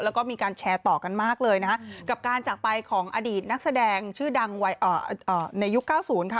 แล้วก็มีการแชร์ต่อกันมากเลยนะคะกับการจากไปของอดีตนักแสดงชื่อดังในยุค๙๐ค่ะ